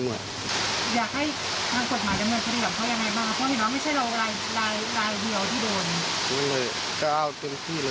ไม่เลยก็เอาเต็มที่เลย